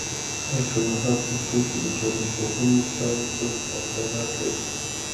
اې کندهار پوهنتون کې د ټولنپوهنې څانګه څه امکانات لري؟